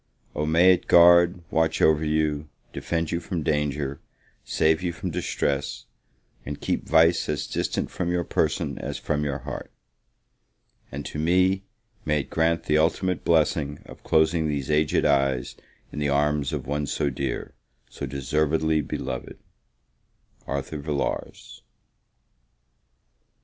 O may it guard, watch over you, defend you from danger, save you from distress, and keep vice as distant from your person as from your heart! And to me, may it grant, the ultimate blessing of closing these aged eyes in the arms of one so dear so deservedly beloved! ARTHUR VILLARS.